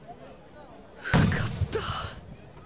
受かった！